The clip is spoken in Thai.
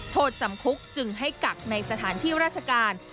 โทษจำคุกจึงให้กักในสถานที่ราชการ